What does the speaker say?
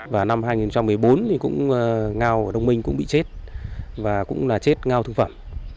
và năm hai nghìn một mươi bốn thì cũng ngao ở đông minh cũng bị chết và cũng là chết ngao thương phẩm